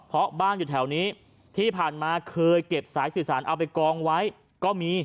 เพราะบ้านอยู่แถวนี้ที่ผ่านมาเคยเก็บสายสื่อสารเอาไปกองไว้ก็มี